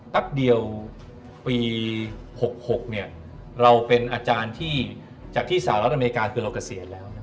แป๊บเดียวปี๖๖เราเป็นอาจารย์ที่จากที่สหรัฐอเมริกาคือเราเกษียณแล้ว